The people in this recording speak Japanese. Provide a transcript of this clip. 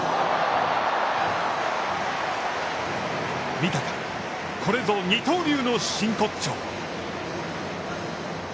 見たか、これぞ二刀流の真骨頂。